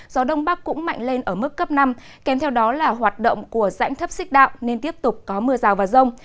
gió đông bắc cũng mạnh lên ở mức cấp năm kèm theo đó là hoạt động của rãnh thấp xích đạo nên tiếp tục có mưa rào và rông